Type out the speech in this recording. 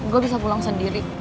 gue bisa pulang sendiri